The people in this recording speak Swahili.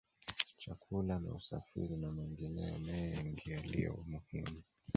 Chakula na usafiri na mengineyo mengi yaliyo muhimu